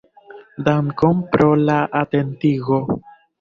Dankon pro la atentigo!